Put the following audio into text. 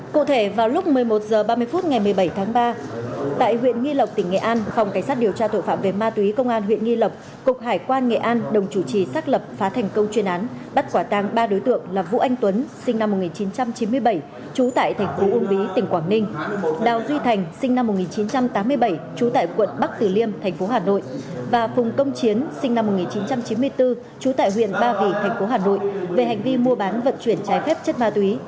cụ thể vào lúc một mươi một h ba mươi phút ngày một mươi bảy tháng ba tại huyện nghi lộc tỉnh nghệ an phòng cảnh sát điều tra tội phạm về ma túy công an huyện nghi lộc cục hải quan nghệ an đồng chủ trì xác lập phá thành công chuyên án bắt quả tang ba đối tượng là vũ anh tuấn sinh năm một nghìn chín trăm chín mươi bảy trú tại thành phố ún vĩ tỉnh quảng ninh đào duy thành sinh năm một nghìn chín trăm tám mươi bảy trú tại quận bắc tử liêm thành phố hà nội và phùng công chiến sinh năm một nghìn chín trăm chín mươi bốn trú tại huyện ba vỉ thành phố hà nội về hành vi mua bán vật chuyển trái phép chất ma túy